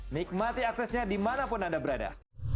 nikmati aksesnya dimanapun anda berada